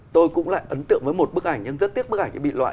tôi cũng lại ấn tượng với một bức ảnh nhưng rất tiếc bức ảnh bị loại